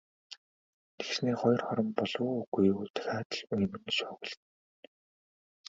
Тэгснээ хоёр хором болов уу, үгүй юу дахиад л үймэн шуугилдана.